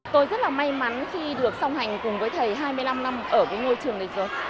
tôi rất là may mắn khi được song hành cùng với thầy hai mươi năm năm ở cái ngôi trường này rồi